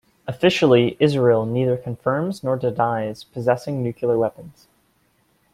Officially Israel neither confirms nor denies possessing nuclear weapons.